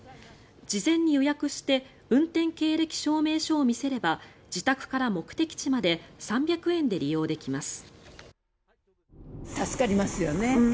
事前に予約して運転経歴証明書を見せれば自宅から目的地まで３００円で利用できます。